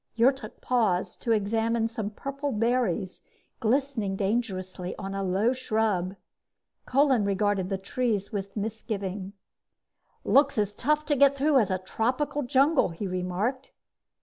Yrtok paused to examine some purple berries glistening dangerously on a low shrub. Kolin regarded the trees with misgiving. "Looks as tough to get through as a tropical jungle," he remarked.